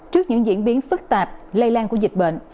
trước những diễn biến phức tạp lây lan của dịch bệnh